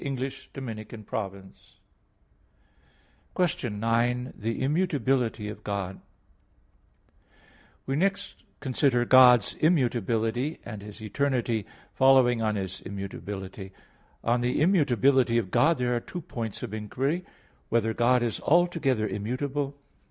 _______________________ QUESTION 9 THE IMMUTABILITY OF GOD (In Two Articles) We next consider God's immutability, and His eternity following on His immutability. On the immutability of God there are two points of inquiry: (1) Whether God is altogether immutable?